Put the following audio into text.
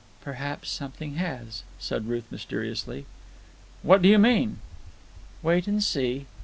"Perhaps something has," said Ruth mysteriously. "What do you mean?" "Wait and see.